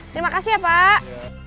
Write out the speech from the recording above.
terima kasih ya pak